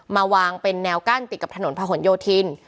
มาวางเป็นแนวกั้นติดกับถนนพะหนโยธิน